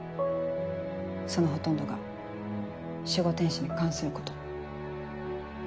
そのほとんどが守護天使に関すること。